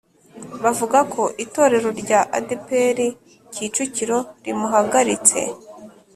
bavugako itorero rya adepr kicukiro rimuhagaritse